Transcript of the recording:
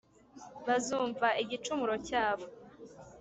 bazumva igicumuro cyabo,